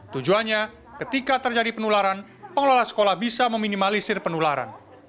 tujuannya ketika terjadi penularan pengelola sekolah bisa meminimalisir penularan